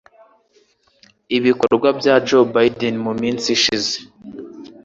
ibikorwa bya Joe Biden mu minsi ishize